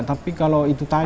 tapi kalau itu tadi